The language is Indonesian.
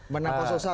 menang satu ya